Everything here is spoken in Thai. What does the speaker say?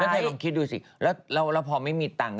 ใครลองคิดดูสิแล้วพอไม่มีตังค์